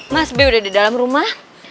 mas b udah di dalam rumah